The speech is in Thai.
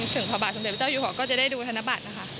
พระบาทสมเด็จพระเจ้าอยู่หัวก็จะได้ดูธนบัตรนะคะ